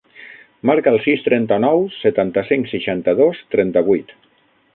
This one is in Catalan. Marca el sis, trenta-nou, setanta-cinc, seixanta-dos, trenta-vuit.